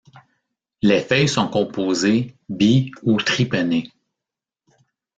Les feuilles sont composées bi- ou tripennées.